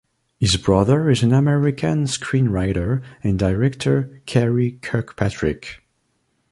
His brother is American screenwriter and director Karey Kirkpatrick.